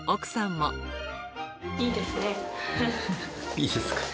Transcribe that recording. いいですね。